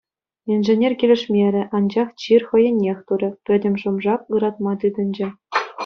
Инженер килӗшмерӗ, анчах чир хӑйӗннех турӗ, пӗтӗм шӑм-шак ыратма тытӑнчӗ.